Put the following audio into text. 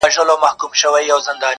مغلق او پرله پېچلي -